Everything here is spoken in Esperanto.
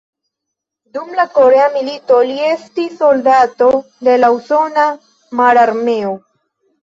Dum la korea milito li estis soldato de la usona mararmeo.